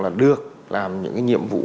là được làm những nhiệm vụ